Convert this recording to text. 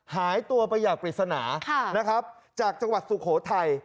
หายตัวไปอย่างปริศนานะครับจากจังหวัดสุโขทัย